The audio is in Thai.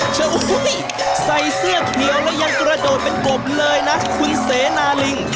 โชว์อุ้ยใส่เสื้อเขียวและยันกระโดดเป็นปบเลยนะคุ้นเสนระลิ่ง